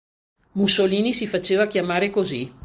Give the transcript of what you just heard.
Mussolini si faceva chiamare così.